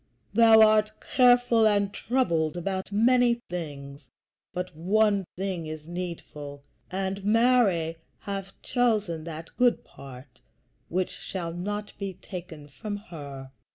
thou art careful and troubled about many things, but one thing is needful, and Mary hath chosen that good part which shall not be taken from her."